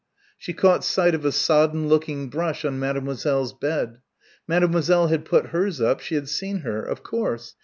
She caught sight of a sodden looking brush on Mademoiselle's bed. Mademoiselle had put hers up she had seen her ... of course